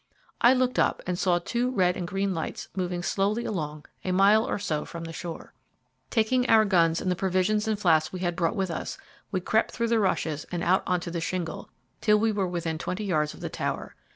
I looked up and saw two red and green lights moving slowly along a mile or so from the shore. Taking our guns and the provisions and flasks we had brought with us, we crept through the rushes and out on to the shingle, till we were within twenty yards of the tower.